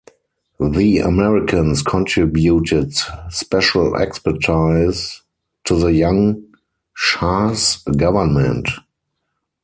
The Americans contributed special expertise to the young Shah's government.